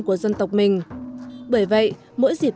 của dân tộc mình bởi vậy mỗi dịp